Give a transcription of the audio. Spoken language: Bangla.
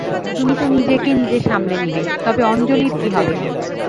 তুমি তো নিজেকে নিজে সামলে নিবে, তবে অঞ্জলীর কী হবে?